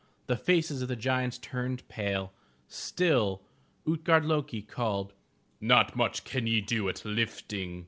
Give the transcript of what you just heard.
The faces of the giants turned pale, still Ut'gard lo'ki called, "Not much can ye do at lifting!"